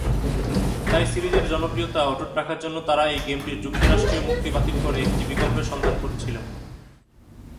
তাই সিরিজটির জনপ্রিয়তা অটুট রাখার জন্য তারা এই গেমটির যুক্তরাষ্ট্রীয় মুক্তি বাতিল করে একটি বিকল্পের সন্ধান করছিল।